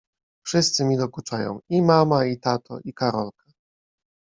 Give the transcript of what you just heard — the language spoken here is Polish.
— Wszyscy mi dokuczają: i mama, i tato, i Karolka.